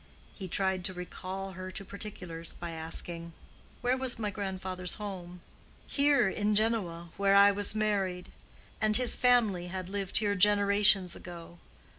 He tried to recall her to particulars by asking, "Where was my grandfather's home?" "Here in Genoa, where I was married; and his family had lived here generations ago.